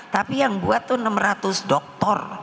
tapi yang buat tuh enam ratus doktor